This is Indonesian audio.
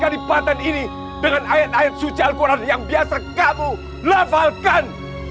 sebelum kamu getarkan kalipatan ini dengan ayat ayat suci al quran yang biasa kita lakukan